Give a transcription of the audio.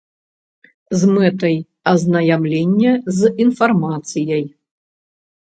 З мэтай азнаямлення з інфармацыяй.